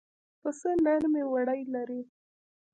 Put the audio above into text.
پسه نرمې وړۍ لري.